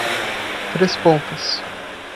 Três Pontas